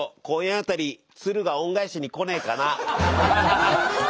鶴が恩返しに来ねえかな。